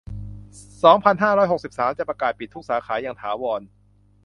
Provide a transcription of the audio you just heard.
สองพันห้าร้อยหกสิบสาม จะประกาศปิดทุกสาขาอย่างถาวร